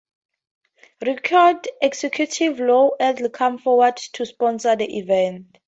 Record executive Lou Adler came forward to sponsor the event.